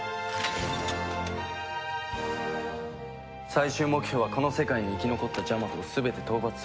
最終目標はこの世界に生き残ったジャマトを全て討伐することだ。